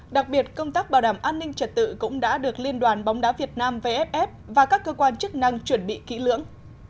đặc biệt công tác bảo đảm an ninh trật tự cũng đã được liên đoàn bóng đá việt nam vff và các cơ quan chức năng chuẩn bị kỹ lưỡng